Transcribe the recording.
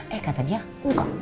eh kata dia enggak